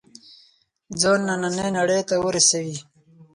ځان نننۍ نړۍ ته ورسوي.